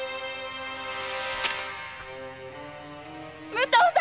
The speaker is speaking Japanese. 武藤様！